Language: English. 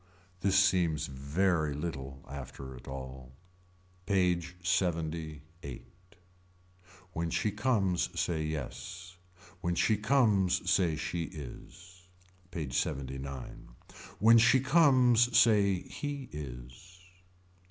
This seems very little after it all. PAGE LXXVIII. When she comes say yes. When she comes say she is. PAGE LXXIX. When she comes say he is.